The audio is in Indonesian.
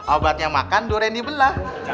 obatnya makan durian dibela